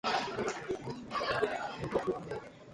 It was published in November.